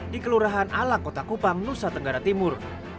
di kelurahan alak kota kupang nusa tenggara timur